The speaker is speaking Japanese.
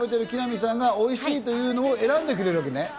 木南さんがおいしいというものを選んでくれるのね。